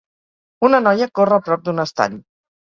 Una noia corre a prop d"un estany.